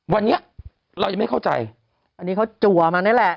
วันนี้เรายังไม่เข้าใจอันนี้เขาจัวมานี่แหละ